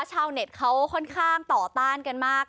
ชาวเน็ตเขาค่อนข้างต่อต้านกันมาก